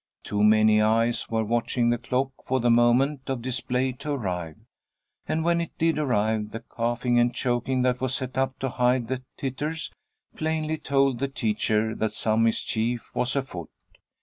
Too many eyes were watching the clock for the moment of display to arrive, and when it did arrive, the coughing and choking that was set up to hide the titters, plainly told the teacher that some mischief was afoot.